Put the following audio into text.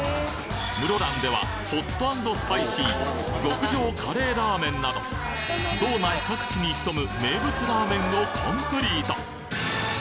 室蘭ではホット＆スパイシー極上カレーラーメンなど道内各地に潜む名物ラーメンをコンプリート！